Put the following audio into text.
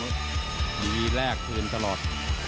อีวีแรกเบือนตลอด